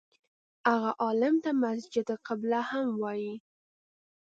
هغه عالم ته مسجد قبله هم وایي.